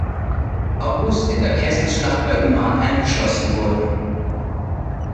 August in der Kesselschlacht bei Uman eingeschlossen wurden.